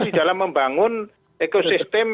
di dalam membangun ekosistem